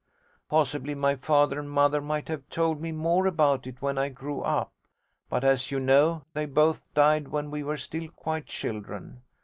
Possibly my father or mother might have told me more about it when I grew up, but, as you know, they both died when we were still quite children.